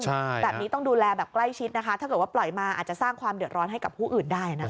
ใช่แบบนี้ต้องดูแลแบบใกล้ชิดนะคะถ้าเกิดว่าปล่อยมาอาจจะสร้างความเดือดร้อนให้กับผู้อื่นได้นะคะ